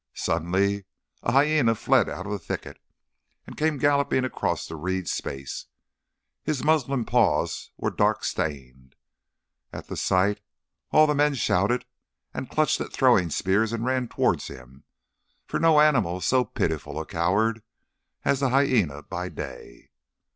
Suddenly a hyæna fled out of the thicket, and came galloping across the reed space. His muzzle and paws were dark stained. At that sight all the men shouted and clutched at throwing stones and ran towards him, for no animal is so pitiful a coward as the hyæna by day.